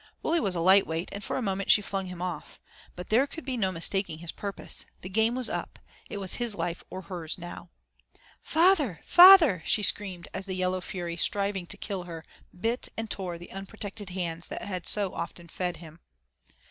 Wully was a light weight, and for a moment she flung him off. But there could be no mistaking his purpose. The game was up, it was his life or hers now. "Feyther! feyther!" she screamed, as the yellow fury, striving to kill her, bit and tore the unprotected hands that had so often fed him.